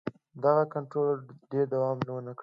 دغه کنټرول ډېر دوام ونه کړ.